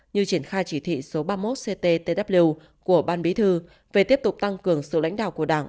như triển khai chỉ thị số ba mươi một cttw của ban bí thư về tiếp tục tăng cường sự lãnh đạo của đảng